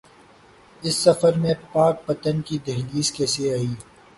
اس سفر میں پاک پتن کی دہلیز کیسے آئی؟